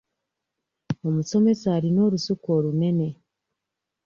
Omusomesa alina olusuku olunene.